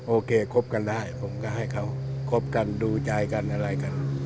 โอเคคบกันได้ผมก็ให้เขาคบกันดูใจกันอะไรกัน